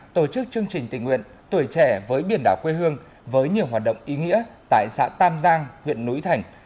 tổ chức chương trình tình nguyện tuổi trẻ với biển đảo quê hương với nhiều hoạt động ý nghĩa tại xã tam giang huyện núi thành